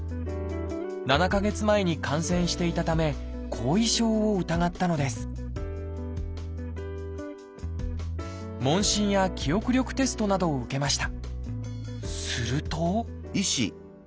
７か月前に感染していたため後遺症を疑ったのです問診や記憶力テストなどを受けました。